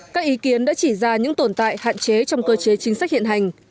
các ý kiến đã chỉ ra những tồn tại hạn chế trong cơ chế chính sách hiện hành